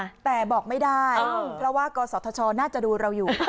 คริสเต่บอกไม่ได้เพราะว่ากสชน่าจะดูเรายุง